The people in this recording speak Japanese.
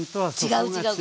違う違う。